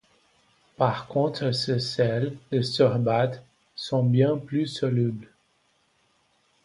Par contre ses sels, les sorbates, sont bien plus solubles.